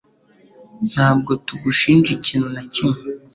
Ntabwo tugushinja ikintu na kimwe